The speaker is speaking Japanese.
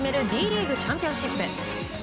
Ｄリーグチャンピオンシップ。